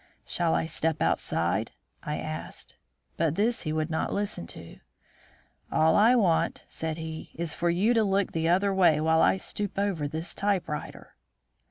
"Shall I step outside?" I asked. But this he would not listen to. "All I want," said he, "is for you to look the other way while I stoop over this typewriter."